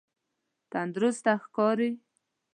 تندرسته ښکاری؟